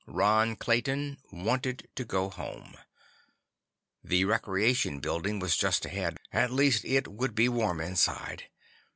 Ron Clayton wanted to go home. The Recreation Building was just ahead; at least it would be warm inside.